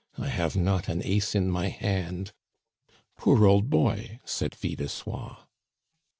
I have not an ace in my hand " "Poor old boy!" said Fil de Soie.